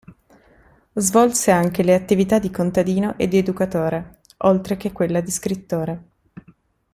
Svolse anche le attività di contadino e di educatore, oltre che quella di scrittore.